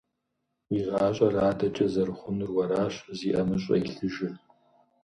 Уи гъащӀэр адэкӀэ зэрыхъунур уэращ зи ӀэмыщӀэ илъыжыр.